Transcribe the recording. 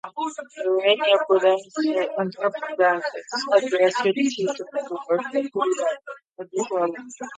The remaining appendices address criticisms of the work and provide additional detail.